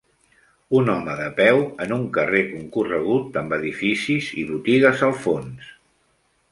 Un home de peu en un carrer concorregut amb edificis i botigues al fons.